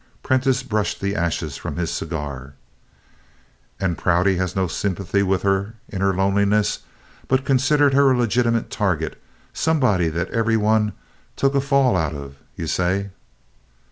Prentiss brushed the ashes from his cigar. "And Prouty had no sympathy with her in her loneliness, but considered her a legitimate target somebody that everybody 'took a fall out of,' you say?"